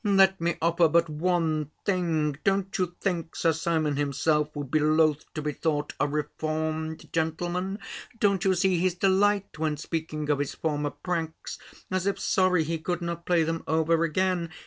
"let me offer but one thing: don't you think Sir Simon himself would be loth to be thought a reformed gentleman? Don't you see his delight, when speaking of his former pranks, as if sorry he could not play them over again?